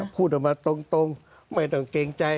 พูดออกมาตรงไม่ต้องเกรงใจ